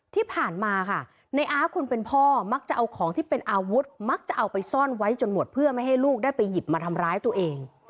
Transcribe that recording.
ที่ผ่านมาค่ะในอาร์ตคนเป็นพ่อมักจะเอาของที่เป็นอาวุธมักจะเอาไปซ่อนไว้จนหมดเพื่อไม่ให้ลูกได้ไปหยิบมาทำร้ายตัวเอง